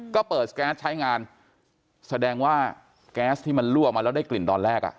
ก็เปิดแก๊สใช้งานแสดงว่าแก๊สที่มันลั่วมาแล้วได้กลิ่นตอนแรกอ่ะ